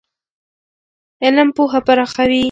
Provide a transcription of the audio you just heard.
علم پوهه پراخوي.